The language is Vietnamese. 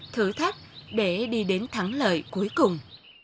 thử thách để đi đến thắng lợi cuối cùng